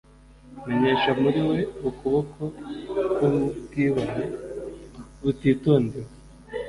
Menyesha muri we ukuboko kwubwibone butitondewe